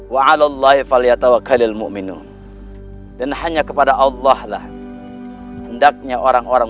waalawhaifa liatawakalilmu'minu dan hanya kepada allahstandard nya orang orang